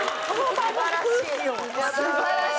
素晴らしい。